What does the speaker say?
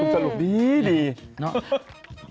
สรุปดีเนาะ